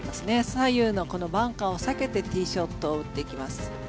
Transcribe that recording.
左右のバンカーを避けてティーショットを打っていきます。